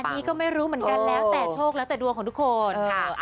อันนี้ก็ไม่รู้เหมือนกันแล้วแต่โชคแล้วแต่ดวงของทุกคนค่ะ